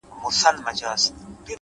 زړورتیا ویره کمزورې کوي،